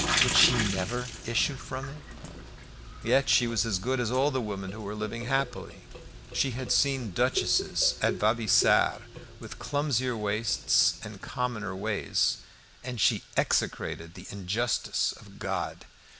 Would she never issue from it? Yet she was as good as all the women who were living happily. She had seen duchesses at Vaubyessard with clumsier waists and commoner ways, and she execrated the injustice of God.